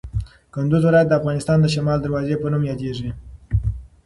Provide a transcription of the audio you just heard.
کندوز ولایت د افغانستان د شمال د دروازې په نوم یادیږي.